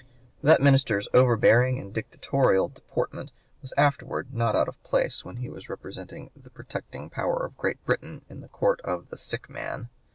That minister's overbearing and dictatorial deportment was afterwards not out of place when he was representing the protecting power of Great Britain in the court of the "sick man."